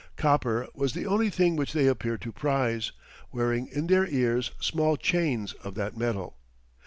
Copper was the only thing which they appeared to prize, wearing in their ears small chains of that metal.